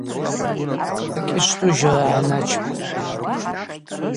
Акӏьышвду жьора гӏаначпатӏ.